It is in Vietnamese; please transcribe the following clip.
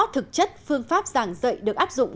thực chất phương pháp giảng dạy được áp dụng